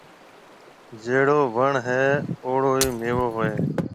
جھيَََڙو وڻ هيَ اُوڙو ميوو هوئي هيَ۔